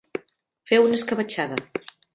Fer una escabetxada.